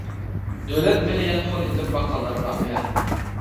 دۆلەت مېلى يانفونى ئېلىپ باققانلارغا ئايان.